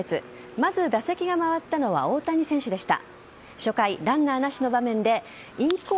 まず、打席が回ったのは大谷選手でした。